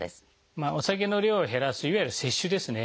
お酒の量を減らすいわゆる節酒ですね